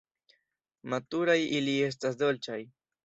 Maturaj ili estas dolĉaj.